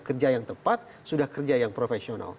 kerja yang tepat sudah kerja yang profesional